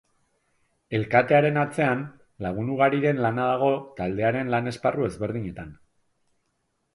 Elkatearen atzean, lagun ugariren lana dago taldearen lan-esparru ezberdinetan.